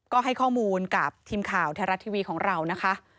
ก็ให้ข้อมูลกับทีมข่าวไทยรัฐทีวีของเรานะคะ